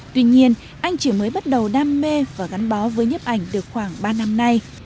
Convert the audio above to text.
tuy nhiên anh chỉ mới bắt đầu đam mê và gắn bó với nhấp ảnh được khoảng ba năm nay